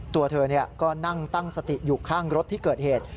ตัวเธอก็นั่งตั้งสติอยู่ข้างรถที่เกิดเหตุ